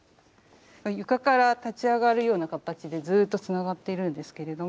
床から立ち上がるような形でずっとつながっているんですけれども。